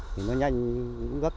thì nó nhanh gấp